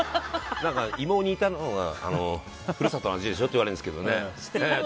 芋を煮たのが故郷の味でしょって言われるんですけどね。